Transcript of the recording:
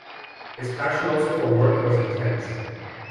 His passion also for work was intense.